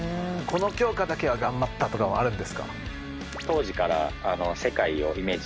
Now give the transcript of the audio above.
この教科だけは頑張ったとかはあるんですか？